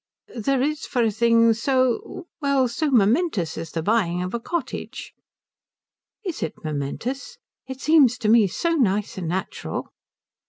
"There is for a thing so well, so momentous as the buying of a cottage." "Is it momentous? It seems to me so nice and natural."